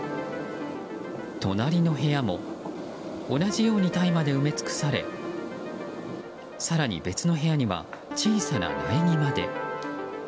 隣の部屋も同じように大麻で埋め尽くされ更に別の部屋には小さな苗木まで。